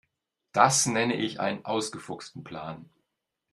Das nenne ich einen ausgefuchsten Plan.